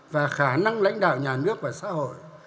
và khả năng lãnh đạo nhà nước và xã hội